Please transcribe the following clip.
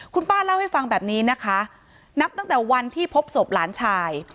คุณป้าเล่าให้ฟังแบบนี้นะคะนับตั้งแต่วันที่พบศพหลานชาย